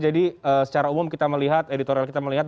jadi secara umum kita melihat editorial kita melihat